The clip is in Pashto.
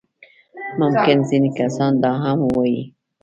ممکن ځينې کسان دا هم ووايي.